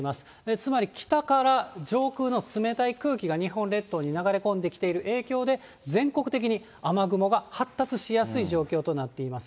つまり北から上空の冷たい空気が日本列島に流れ込んできている影響で、全国的に雨雲が発達しやすい状況となっています。